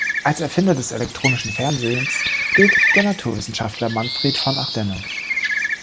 Als Erfinder des elektronischen Fernsehens gilt der Naturwissenschaftler Manfred von Ardenne.